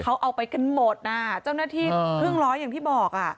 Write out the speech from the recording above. เขาเอาไปกันหมดน่ะเจ้าหน้าที่ครึ่งร้อยอย่างที่บอกอ่ะ